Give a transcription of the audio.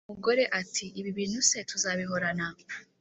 umugore ati: "Ibi bintu se tuzabihorana?"